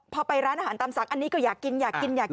พอไปร้านอาหารตามสั่งอันนี้ก็อยากกินอยากกินอยากกิน